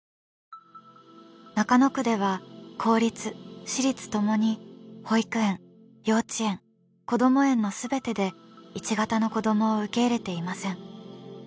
中野区では公立私立ともに保育園幼稚園子ども園の全てで１型の子どもを受け入れていません。